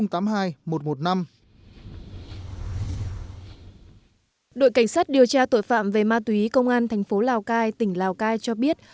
đội cảnh sát điều tra tội phạm về ma túy công an thành phố lào cai tỉnh lào cai cho biết